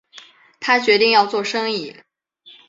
他决定要做生意